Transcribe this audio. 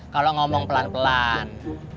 kalau ngomong pelan pelan